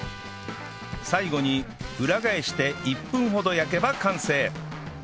最後に裏返して１分ほど焼けば完成